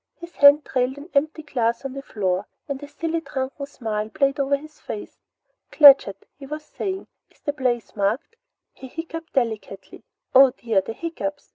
His hand trailed an empty glass on the floor, and a silly drunken smile played over his face. "Claggett," he was saying, "is the place marked?" He hiccuped delicately. "Hup! Oh dear! the hiccups!"